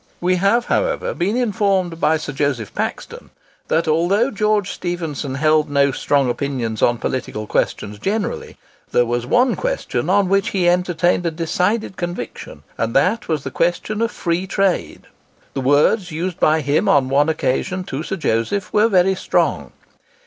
We have, however, been informed by Sir Joseph Paxton, that although George Stephenson held no strong opinions on political questions generally, there was one question on which he entertained a decided conviction, and that was the question of Free trade. The words used by him on one occasion to Sir Joseph were very strong.